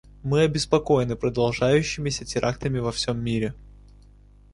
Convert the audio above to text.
Мы обеспокоены продолжающимися терактами во всем мире.